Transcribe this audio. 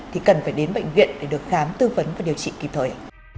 thì cần phải đến bệnh viện để được khám tư vấn và điều trị kịp thời